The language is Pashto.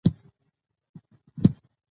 افغانستان په تودوخه باندې تکیه لري.